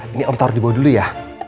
ini om taruh di bawah dulu ya